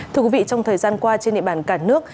thưa quý vị trong thời gian qua trên địa bàn cả nước